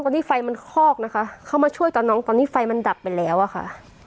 ตอนนี้ไฟมันคอกนะคะเข้ามาช่วยตอนน้องตอนนี้ไฟมันดับไปแล้วอะค่ะ